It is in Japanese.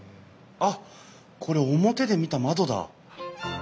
あっこれ表で見た窓だ！